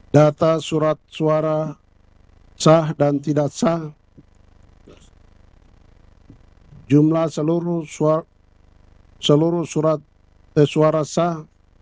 data surat suara sah dan tidak sah